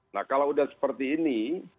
nah kalau udah seperti ini